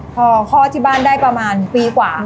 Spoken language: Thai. พอคลอดที่บ้านได้ประมาณปีกว่า